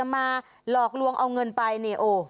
มาหลอกลวงเอาเงินไปนี่โอ้